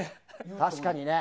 確かにね。